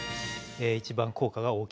一番効果が大きいと。